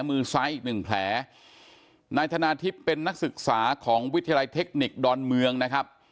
มือซ้ายอีกหนึ่งแผลนายธนาทิพย์เป็นนักศึกษาของวิทยาลัยเทคนิคดอนเมืองนะครับ